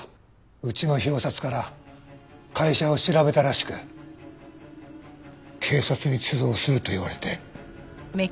うちの表札から会社を調べたらしく警察に通報すると言われて。